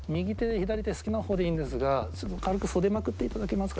左手好きな方でいいんですが軽く袖まくっていただけますか？